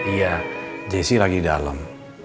iya jessy lagi dalem